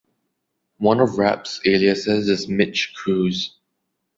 One of Rapp's aliases is Mitch Kruse.